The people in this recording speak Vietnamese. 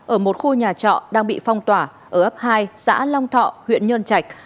ở một khu nhà trọ đang bị phong tỏa ở ấp hai xã long thọ huyện nhơn trạch